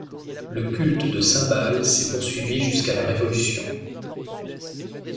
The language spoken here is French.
Le culte de saint Basle s'est poursuivi jusqu'à la Révolution.